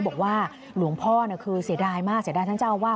บอกว่าหลวงพ่อคือเสียดายมากเสียดายท่านเจ้าอาวาส